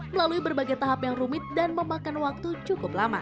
melalui berbagai tahap yang rumit dan memakan waktu cukup lama